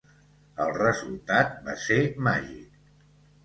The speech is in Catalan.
El resultat va ser màgic.